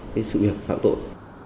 cái sự việc phạm tội